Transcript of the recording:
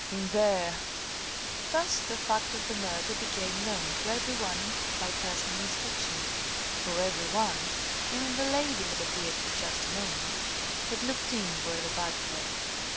in there!" Thus the fact of the murder became known to every one by personal inspection, for every one (even the lady had appeared for just a moment) had looked in where the body lay.